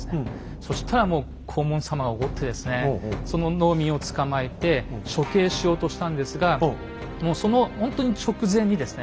そしたらもう黄門様が怒ってですねその農民を捕まえて処刑しようとしたんですがもうそのほんとに直前にですね